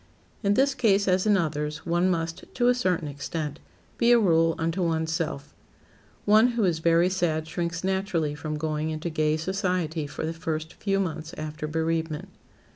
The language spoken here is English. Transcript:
In this case, as in others, one must, to a certain extent, be a rule unto one's self. One who is very sad shrinks naturally from going into gay society for the first few months after bereavement.